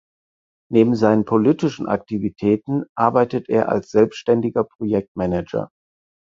Neben seinen politischen Aktivitäten arbeitet er als selbständiger Projektmanager.